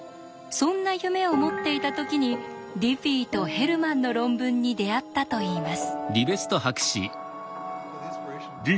そんな夢を持っていた時にディフィーとヘルマンの論文に出会ったといいます。